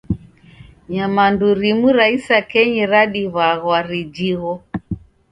Nyamandu rimu ra isakenyi radiw'agha rijigho.